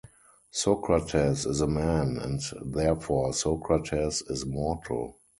Socrates is a man, and therefore Socrates is mortal.